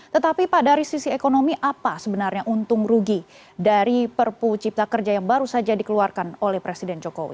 tetapi pak dari sisi ekonomi apa sebenarnya untung rugi dari perpu cipta kerja yang baru saja dikeluarkan oleh presiden jokowi